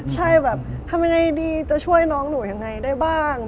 ใช่แบบทำยังไงดีจะช่วยน้องหนูยังไงได้บ้าง